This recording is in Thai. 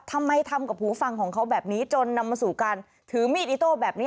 ทำไมทำกับหูฟังของเขาแบบนี้จนนำมาสู่การถือมีดอิโต้แบบนี้